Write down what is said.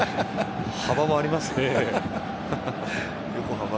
幅はありますよ。